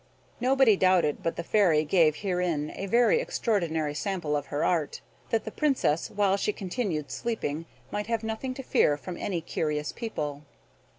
Nobody; doubted but the Fairy gave herein a very extraordinary sample of her art, that the Princess, while she continued sleeping, might have nothing to fear from any curious people.